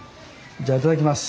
じゃあいただきます。